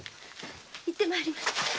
行って参ります。